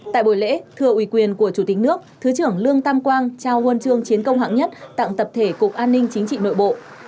tại buổi lễ thưa uy quyền của chủ tịch nước thứ trưởng lương tam quang trao huân chương chiến công hạng nhất tặng tập thể cục an ninh chính trị nội bộ